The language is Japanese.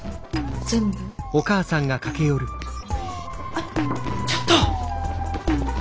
あっちょっと！